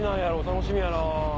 楽しみやな。